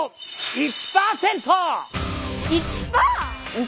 １％。